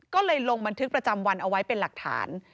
ก็เลยลงบันทึกประจำวันเอาไว้เป็นหลักฐาน